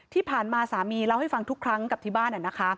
ที่ผ่านมาสามีเล่าให้ฟังทุกครั้งกับที่บ้าน